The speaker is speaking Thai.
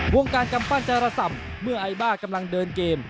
วงการกำปั้นจรส่ำเมื่อไอบ้ากำลังเดินเกม